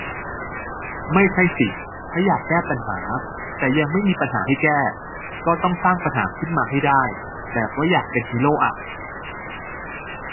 ไม่ใช่สิ ถ้าอยากแก้ปัญหา แต่ยังไม่มีปัญหาให้แก้ ก็ต้องสร้างปัญหาขึ้นมาให้ได้ แบบว่าอยากเป็นฮีโร่อ่ะ